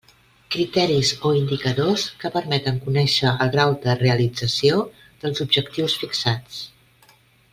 Criteris o indicadors que permeten conèixer el grau de realització dels objectius fixats.